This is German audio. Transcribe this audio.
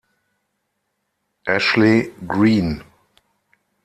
Ashley Greene